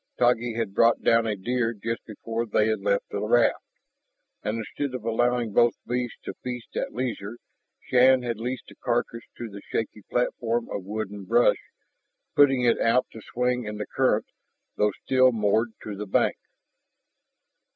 Taggi had brought down a "deer" just before they had left the raft. And instead of allowing both beasts to feast at leisure, Shann had lashed the carcass to the shaky platform of wood and brush, putting it out to swing in the current, though still moored to the bank.